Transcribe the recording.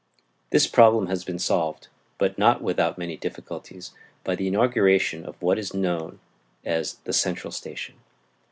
This problem has been solved (but not without many difficulties) by the inauguration of what is known as the "central station."